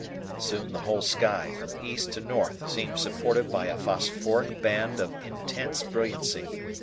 Soon the whole sky from east to north seemed supported by a phosphoric band of intense brilliancy.